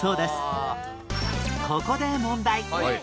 ここで問題